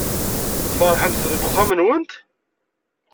Tferḥemt deg uxxam-nwent?